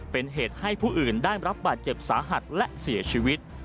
เป็นเหตุให้ผู้อื่นได้รับบาดเจ็บสาหัสและเสียชีวิต